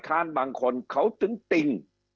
แต่ว่าครอบครัวเป็นหนี้